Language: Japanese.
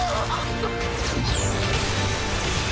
あっ。